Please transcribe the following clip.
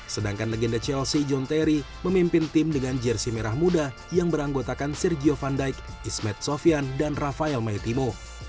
sedangkan legenda chelsea john terry memimpin tim dengan jersi merah muda yang beranggotakan sergio van dijk ismed sofyan dan rafael maetimo